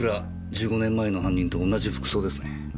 １５年前の犯人と同じ服装ですね。